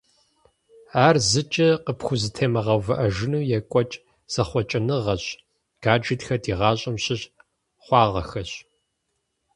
Ар зыкӀи къыпхузэтемыгъэувыӀэжыну екӀуэкӀ зэхъуэкӀыныгъэщ, гаджетхэр ди гъащӀэм щыщ хъуагъэххэщ.